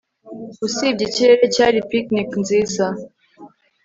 Usibye ikirere cyari picnic nziza